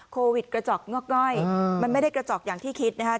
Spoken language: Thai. โควิดกระจอกงอกง่อยมันไม่ได้กระจอกอย่างที่คิดนะครับ